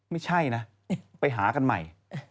ไม่ใช่นะไปหากันใหม่